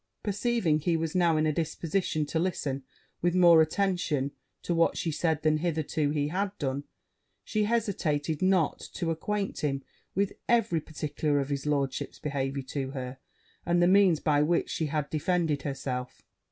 Perceiving he was now in a disposition to listen with more attention to what she said, than hitherto he had done, she hesitated not to acquaint him with every particular of his lordship's behaviour to her, and the means by which she had defended herself.